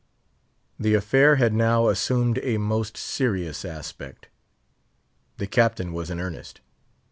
The affair had now assumed a most serious aspect. The Captain was in earnest.